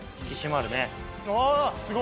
ああすごい！